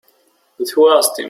But who asked him?